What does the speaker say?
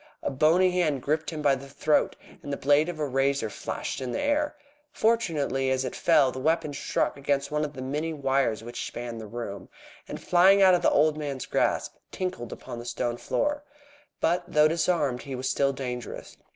A bony hand gripped him by the throat, and the blade of a razor flashed in the air. Fortunately, as it fell, the weapon struck against one of the many wires which spanned the room, and flying out of the old man's grasp, tinkled upon the stone floor. But, though disarmed, he was still dangerous.